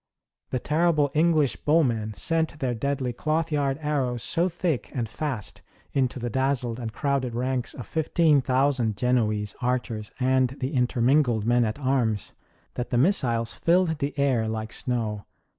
The terrible English bowmen sent their deadly cloth yard arrows so thick and fast into the dazzled and crowded ranks of fifteen thousand Genoese archers and the intermingled men at arms, that the missiles filled the air like snow.